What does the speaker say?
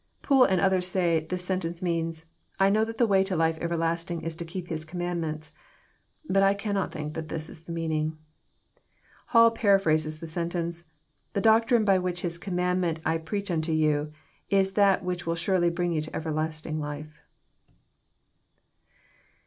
Poole and others say this sentence means, *' I know that the way to life everlasting is to keep His commandments." Bat I cannot think this is the meaning. Hall paraphrases the sentence, " The doctrine which by His commandment I preach unto yon, is that which will sarely bring . yon to everlasting life.